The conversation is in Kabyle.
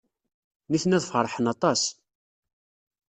Nitni ad feṛḥen aṭas.